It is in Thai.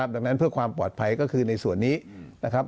ดังนั้นเพื่อความปลอดภัยก็คือในส่วนนี้นะครับ